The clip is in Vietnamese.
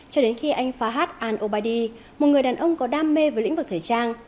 cho đến khi anh fahad al obady một người đàn ông có đam mê với lĩnh vực thời trang